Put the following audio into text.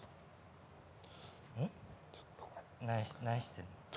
何してるの。